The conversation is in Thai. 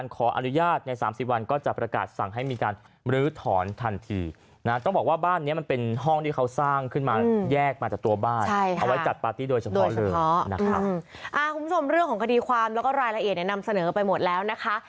เรื่องของคดีความแล้วก็รายละเอียดเนี่ยนำเสนอไปหมดแล้วนะคะ